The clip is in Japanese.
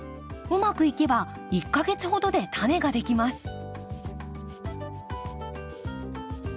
うまくいけば１か月ほどでタネができます。